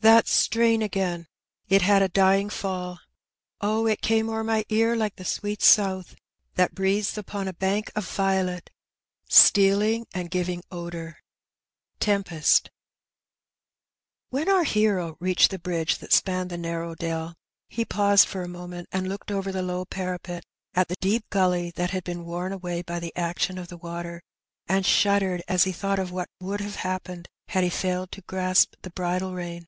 That strain again ; it had a dying fall : Od, it came o'er my ear like the sweet south That breathes upon a bank of violet?, Stealing and givinfl^ odour. Tempest, When our hero reached the bridge that spanned the narrow dell^ he paused for a moment and looked over the low parapet at the deep gully that had been worn away by the action of the water, and shuddered as he thought of what would have happened had he failed to grasp the bridle rein.